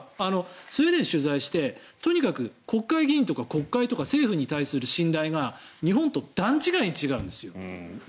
スウェーデンを取材してとにかく国会議員とか国会とか政府に対する信頼が日本と段違いに違うんです。